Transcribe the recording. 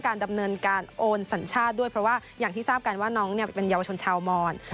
ดำเนินการโอนสัญชาติด้วยเพราะว่าอย่างที่ทราบกันว่าน้องเป็นเยาวชนชาวมอน